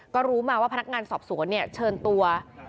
ก็รู้มาว่าพนักงานสอบสวนเชิญตัว